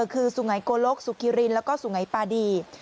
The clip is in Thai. คือสุไงโกลกสุขิรินแล้วก็สุงัยปาดี